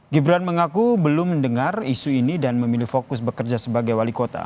gibran mengaku belum mendengar isu ini dan memilih fokus bekerja sebagai wali kota